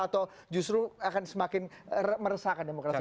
atau justru akan semakin meresahkan demokrasi